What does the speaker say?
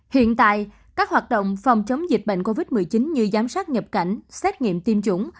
hiện tại các hoạt động phòng chống dịch bệnh covid một mươi chín như giám sát nhập cảnh xét nghiệm tiêm chủng